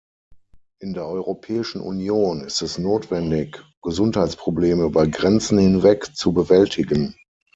In der Europäischen Union ist es notwendig, Gesundheitsprobleme über Grenzen hinweg zu bewältigen.